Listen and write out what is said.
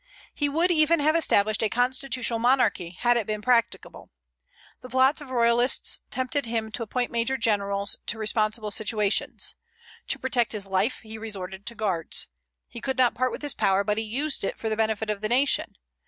He would even have established a constitutional monarchy, had it been practicable. The plots of royalists tempted him to appoint major generals to responsible situations. To protect his life, he resorted to guards. He could not part with his power, but he used it for the benefit of the nation.